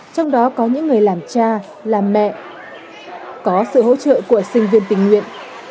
trong đó có những người làm cha làm mẹ có sự hỗ trợ của sinh viên tình nguyện